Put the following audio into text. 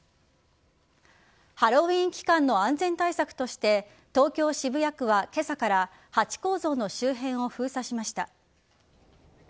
ハロウィーン期間の安全対策として東京・渋谷区は今朝からハチ公像の周辺を封鎖しました。